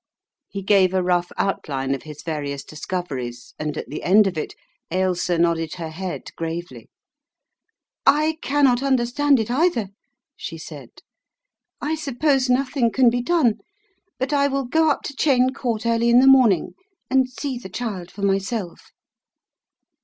He gave a rough outline of his various discoveries and at the end of it Ailsa nodded her head gravely. "I cannot understand it, either," she said. "I suppose nothing can be done, but I will go up to Cheyne Court early in the morning and see the child for myself."